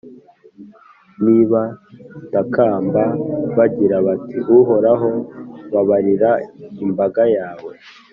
nibatakambe bagira bati «Uhoraho, babarira imbaga yawe;